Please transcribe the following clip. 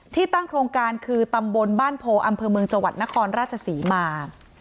ที่ตั้งโครงการคือตำบลบ้านโพอำเภอเมืองจังหวัดนครราชศรีมา